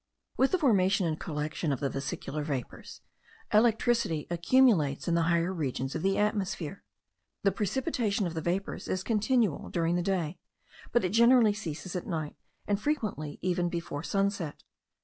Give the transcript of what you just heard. With the formation and collection of the vesicular vapours, electricity accumulates in the higher regions of the atmosphere. The precipitation of the vapours is continual during the day; but it generally ceases at night, and frequently even before sunset.